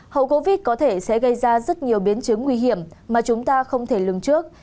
hậu covid có thể sẽ gây ra rất nhiều biến chứng nguy hiểm mà chúng ta không thể lường trước